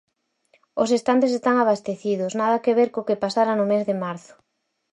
Os estantes están abastecidos, nada que ver co que pasara no mes de marzo.